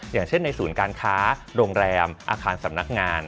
อย่างเช่นในศูนย์การค้าโรงแรมอาคารสำนักงาน